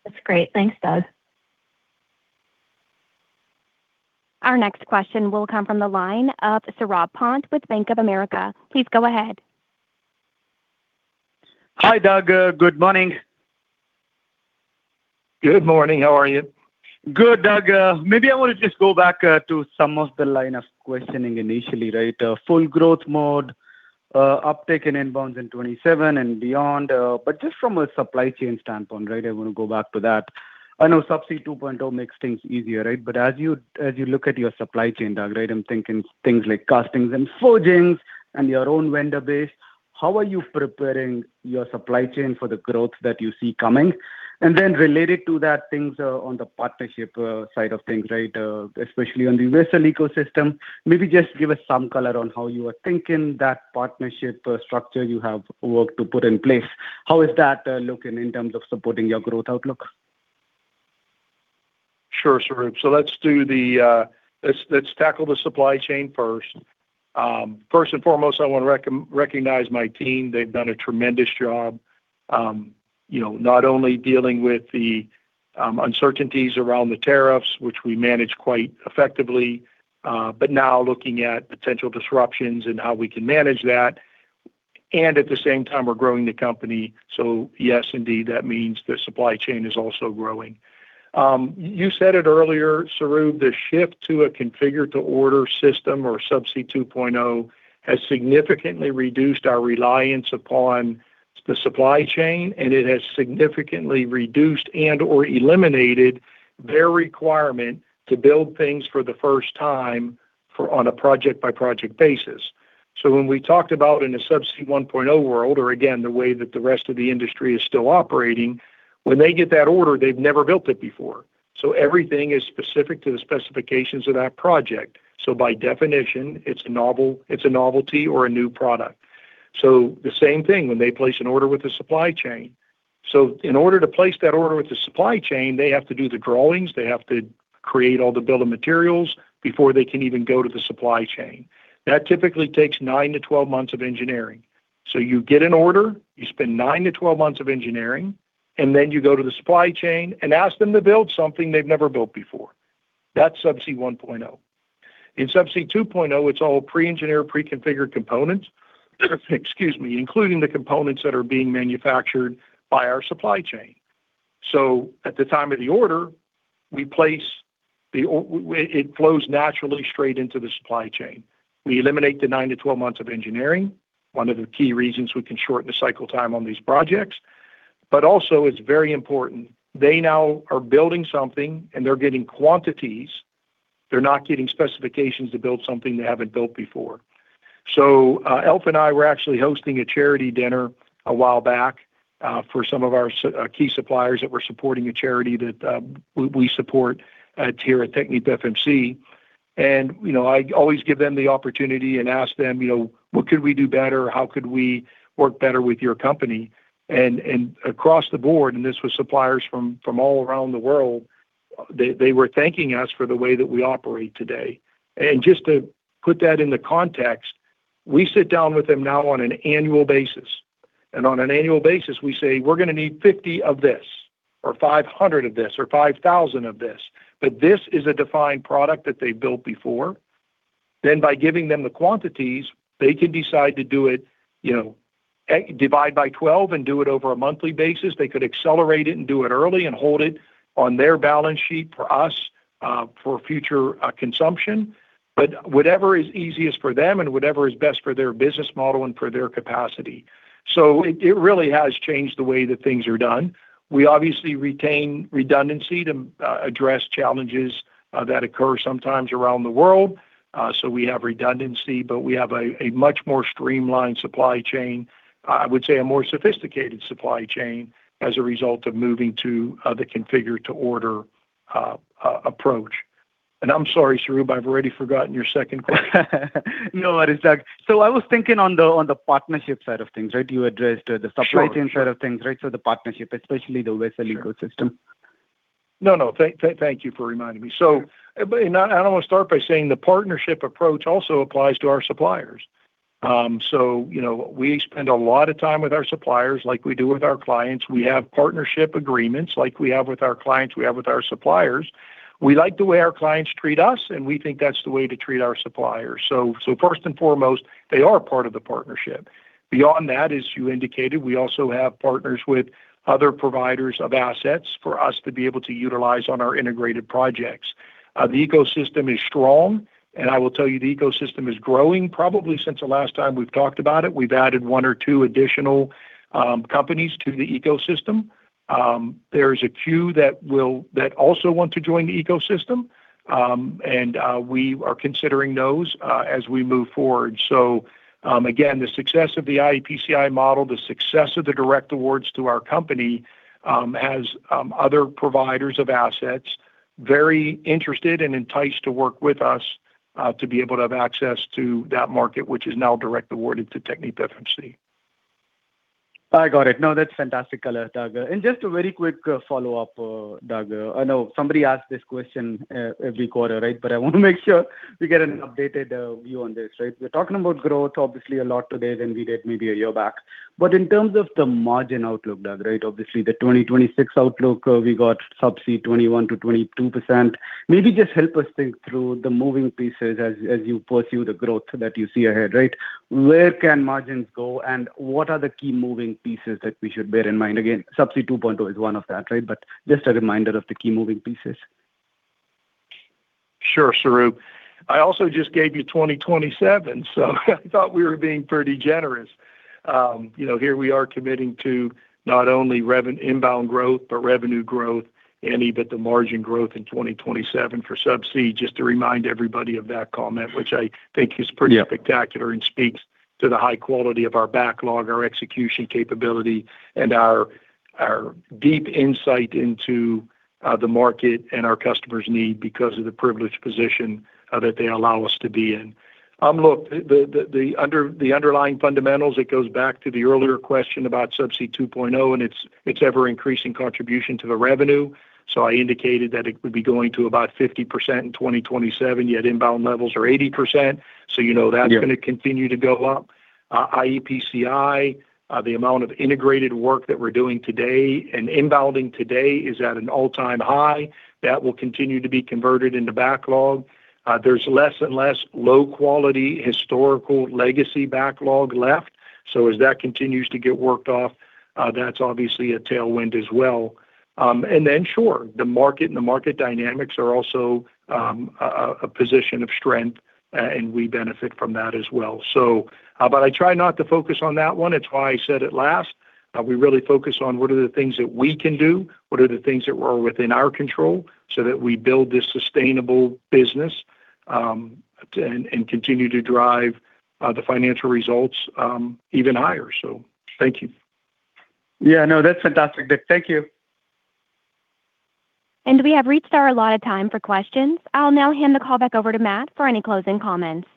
That's great. Thanks, Doug. Our next question will come from the line of Saurabh Pant with Bank of America. Please go ahead. Hi, Doug. Good morning. Good morning. How are you? Good, Doug. Maybe I want to just go back to some of the line of questioning initially, right? Full growth mode, uptake in inbounds in 27 and beyond. Just from a supply chain standpoint, right, I want to go back to that. I know Subsea 2.0 makes things easier, right? As you, as you look at your supply chain, Doug, right, I'm thinking things like castings and forgings and your own vendor base. How are you preparing your supply chain for the growth that you see coming? Related to that, things on the partnership side of things, right? Especially on the vessel ecosystem. Maybe just give us some color on how you are thinking that partnership structure you have worked to put in place. How is that looking in terms of supporting your growth outlook? Sure, Saurabh. Let's do the, let's tackle the supply chain first. First and foremost, I wanna recognize my team. They've done a tremendous job, you know, not only dealing with the uncertainties around the tariffs, which we manage quite effectively, but now looking at potential disruptions and how we can manage that. At the same time, we're growing the company. Yes, indeed, that means the supply chain is also growing. You said it earlier, Saurabh, the shift to a configure-to-order system or Subsea 2.0 has significantly reduced our reliance upon the supply chain, and it has significantly reduced and/or eliminated their requirement to build things for the first time on a project-by-project basis. When we talked about in a Subsea 1.0 world, or again, the way that the rest of the industry is still operating, when they get that order, they've never built it before. Everything is specific to the specifications of that project. By definition, it's novel, it's a novelty or a new product. The same thing when they place an order with the supply chain. In order to place that order with the supply chain, they have to do the drawings, they have to create all the bill of materials before they can even go to the supply chain. That typically takes nine months-12 months of engineering. You get an order, you spend nine months-12 months of engineering, and then you go to the supply chain and ask them to build something they've never built before. That's Subsea 1.0. In Subsea 2.0, it's all pre-engineered, pre-configured components, excuse me, including the components that are being manufactured by our supply chain. At the time of the order, It flows naturally straight into the supply chain. We eliminate the nine months-12 months of engineering, one of the key reasons we can shorten the cycle time on these projects. Also, it's very important, they now are building something and they're getting quantities. They're not getting specifications to build something they haven't built before. Alf and I were actually hosting a charity dinner a while back for some of our key suppliers that were supporting a charity that we support here at TechnipFMC. You know, I always give them the opportunity and ask them, you know, "What could we do better? How could we work better with your company?" Across the board, this was suppliers from all around the world, they were thanking us for the way that we operate today. Just to put that into context, we sit down with them now on an annual basis. On an annual basis, we say, "We're gonna need 50 of this, or 500 of this, or 5,000 of this." This is a defined product that they've built before. By giving them the quantities, they can decide to do it, you know, divide by 12 and do it over a monthly basis. They could accelerate it and do it early and hold it on their balance sheet for us, for future consumption. Whatever is easiest for them and whatever is best for their business model and for their capacity. It really has changed the way that things are done. We obviously retain redundancy to address challenges that occur sometimes around the world. We have redundancy, but we have a much more streamlined supply chain, I would say a more sophisticated supply chain as a result of moving to the configure-to-order approach. I'm sorry, Saurabh, I've already forgotten your second question. No worries, Doug. I was thinking on the partnership side of things, right? You addressed the supply chain side of things, right? The partnership, especially the vessel ecosystem. No, no. Thank you for reminding me. And I, and I wanna start by saying the partnership approach also applies to our suppliers. You know, we spend a lot of time with our suppliers like we do with our clients. We have partnership agreements like we have with our clients, we have with our suppliers. We like the way our clients treat us, and we think that's the way to treat our suppliers. So first and foremost, they are part of the partnership. Beyond that, as you indicated, we also have partners with other providers of assets for us to be able to utilize on our integrated projects. The ecosystem is strong, and I will tell you the ecosystem is growing probably since the last time we've talked about it. We've added one or two additional companies to the ecosystem. There's a few that also want to join the ecosystem, we are considering those as we move forward. Again, the success of the iEPCI model, the success of the direct awards to our company, has other providers of assets very interested and enticed to work with us to be able to have access to that market, which is now direct awarded to TechnipFMC. I got it. No, that's fantastic color, Doug. Just a very quick, follow-up, Doug. I know somebody asks this question, every quarter, right? I want to make sure we get an updated, view on this, right? We're talking about growth, obviously, a lot today than we did maybe a year back. In terms of the margin outlook, Doug, right? Obviously, the 2026 outlook, we got Subsea 21% to 22%. Maybe just help us think through the moving pieces as you pursue the growth that you see ahead, right? Where can margins go, and what are the key moving pieces that we should bear in mind? Again, Subsea 2.0 is one of that, right? Just a reminder of the key moving pieces. Sure, Saurabh. I also just gave you 2027, so I thought we were being pretty generous. You know, here we are committing to not only inbound growth, but revenue growth, and even the margin growth in 2027 for Subsea, just to remind everybody of that comment, which I think is pretty spectacular and speaks to the high quality of our backlog, our execution capability, and Our deep insight into the market and our customer's need because of the privileged position that they allow us to be in. Look, the, the underlying fundamentals, it goes back to the earlier question about Subsea 2.0 and its ever-increasing contribution to the revenue. I indicated that it would be going to about 50% in 2027, yet inbound levels are 80%, you know that's gonna continue to go up. iEPCI, the amount of integrated work that we're doing today and inbounding today is at an all-time high. That will continue to be converted into backlog. There's less and less low-quality historical legacy backlog left, as that continues to get worked off, that's obviously a tailwind as well. Sure, the market and the market dynamics are also a position of strength, and we benefit from that as well. I try not to focus on that one. It's why I said it last. We really focus on what are the things that we can do, what are the things that are within our control, so that we build this sustainable business, and continue to drive the financial results even higher. Thank you. Yeah, no, that's fantastic, Doug. Thank you. We have reached our allotted time for questions. I'll now hand the call back over to Matt for any closing comments.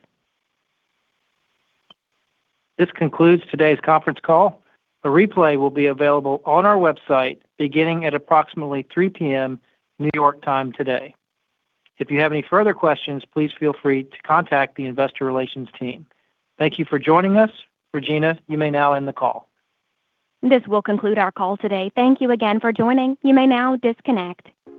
This concludes today's conference call. A replay will be available on our website beginning at approximately 3:00 P.M. New York time today. If you have any further questions, please feel free to contact the investor relations team. Thank you for joining us. Regina, you may now end the call. This will conclude our call today. Thank You again for joining. You may now disconnect.